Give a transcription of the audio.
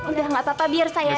udah gapapa biar saya aja